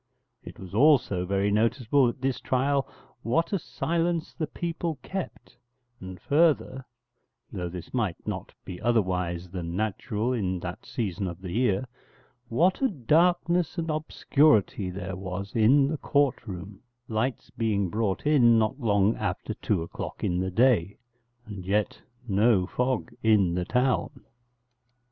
It was also very noticeable at this trial what a silence the people kept, and further (though this might not be otherwise than natural in that season of the year), what a darkness and obscurity there was in the court room, lights being brought in not long after two o'clock in the day, and yet no fog in the town.